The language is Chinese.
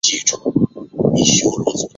清朝雍正二年升格为直隶州。